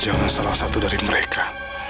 yang salah satu dari mereka